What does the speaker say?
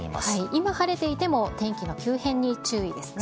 今晴れていても、天気の急変に注意ですね。